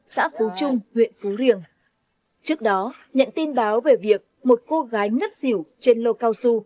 xã phú trung huyện phú riềng trước đó nhận tin báo về việc một cô gái ngất xỉu trên lô cao su